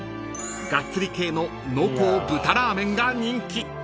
［ガッツリ系の濃厚豚らーめんが人気］